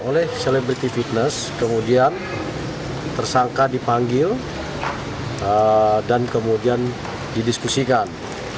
oleh celebriti fitness kemudian tersangka dipanggil dan kemudian didiskusikan